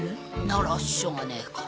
ならしょうがねえか。